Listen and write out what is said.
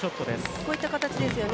こういった形ですよね。